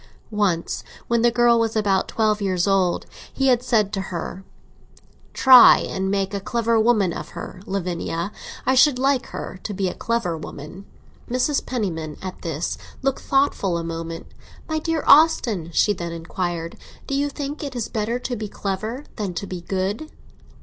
Once, when the girl was about twelve years old, he had said to her: "Try and make a clever woman of her, Lavinia; I should like her to be a clever woman." Mrs. Penniman, at this, looked thoughtful a moment. "My dear Austin," she then inquired, "do you think it is better to be clever than to be good?"